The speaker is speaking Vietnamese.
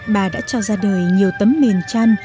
bà đã cho ra đời nhiều tấm mền chăn